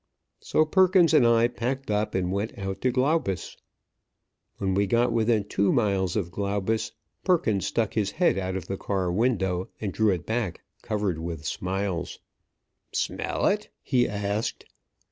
So Perkins and I packed up, and went out to Glaubus. When we got within two miles of Glaubus, Perkins stuck his head out of the car window, and drew it back, covered with smiles. "Smell it?" he asked.